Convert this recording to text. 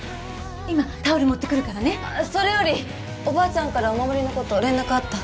今タオル持ってくるからねそれよりおばあちゃんからお守りのこと連絡あった？